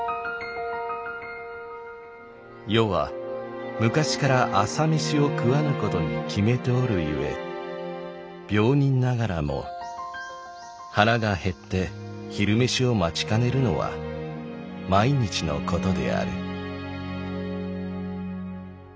「余は昔から朝飯を喰はぬ事にきめて居る故病人ながらも腹がへつて晝飯を待ちかねるのは毎日の事である」。